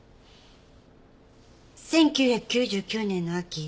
１９９９年の秋